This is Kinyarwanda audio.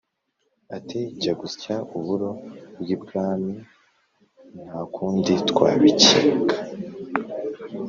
ati: “jya gusya uburo bw’ibwami nta kundi twabikika!”